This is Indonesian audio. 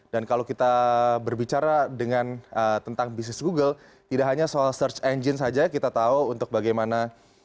kalau kita berbicara dengan tentang bisnis google tidak hanya soal search engine saja kita tahu untuk bagaimana